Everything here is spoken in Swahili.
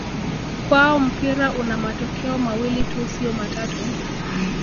Kwao mpira una matokeo mawili tu sio matatu